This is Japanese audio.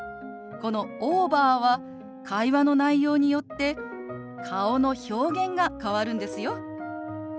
この「オーバー」は会話の内容によって顔の表現が変わるんですよ。